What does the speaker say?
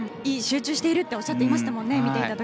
集中しているとおっしゃってましたもんね。